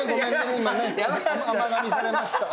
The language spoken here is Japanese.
今ね甘がみされました。